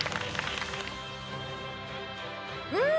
うん！